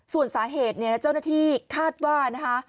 ส่วนสาเหตุเนี่ยเจ้าหน้าที่คาดว่านะคะ